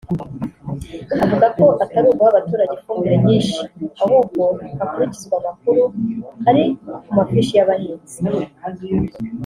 avuga ko atari uguha abaturage ifumbire nyinshi ahubwo hakurikizwa amakuru ari ku mafishi y’abahinzi